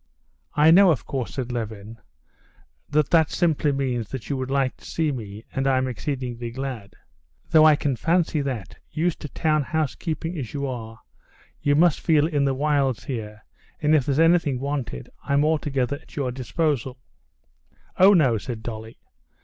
"I know, of course," said Levin, "that that simply means that you would like to see me, and I'm exceedingly glad. Though I can fancy that, used to town housekeeping as you are, you must feel in the wilds here, and if there's anything wanted, I'm altogether at your disposal." "Oh, no!" said Dolly.